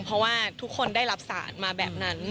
เพราะว่าทุกคนได้รับสารมาแบบนั้น